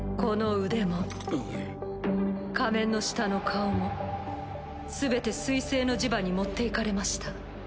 仮面の下の顔も全て水星の磁場に持っていかれました。